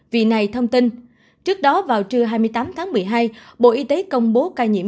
vì này thông tin trước đó vào trưa hai mươi tám tháng một mươi hai bộ y tế công bố ca nhiễm